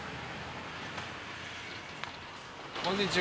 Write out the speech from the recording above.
こんにちは。